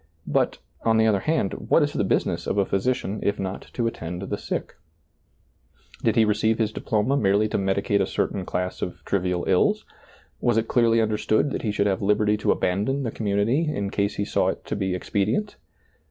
But, on the other hand, what is the business of a physician if not to attend the sick ? Did he re ceive his diploma merely to medicate a certain class of trivial ills ? was it clearly understood that he should have liberty to abandon the community in case he saw it to be expedient